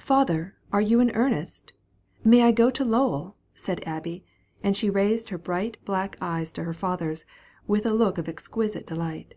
"Father, are you in earnest? may I go to Lowell?" said Abby; and she raised her bright black eyes to her father's, with a look of exquisite delight.